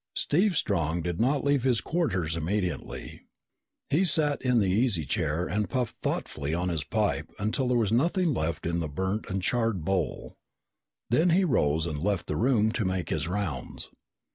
Steve Strong did not leave his quarters immediately. He sat in the easy chair and puffed thoughtfully on his pipe until there was nothing left in the burnt and charred bowl. Then he rose and left the room to make his rounds.